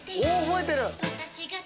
覚えてる！